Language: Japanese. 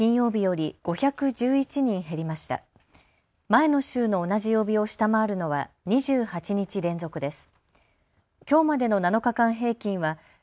前の週の同じ曜日を下回るのは２８日連続です。